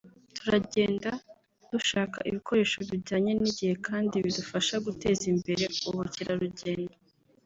Turagenda dushaka ibikoresho bijyanye n’igihe kandi bidufasha guteza imbere ubukerarugendo